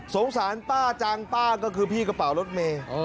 สารป้าจังป้าก็คือพี่กระเป๋ารถเมย์